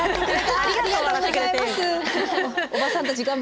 ありがとうございます。